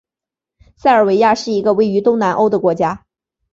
塞尔维亚是一个位于东南欧的国家。